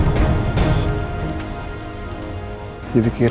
lebih injusti yang dikasih aero